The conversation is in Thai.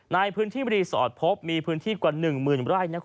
ในพื้นที่รีสอร์ทพบมีพื้นที่กว่า๑๐๐๐ไร่